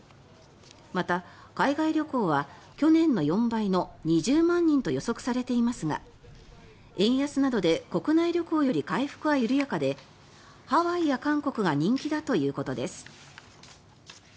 また、海外旅行は去年の４倍の２０万人と予測されていますが円安などで国内旅行より回復は緩やかでハワイや韓国が人気だということです。